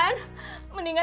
meninggal dan berpikir pikir